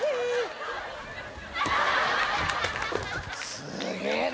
すげえな。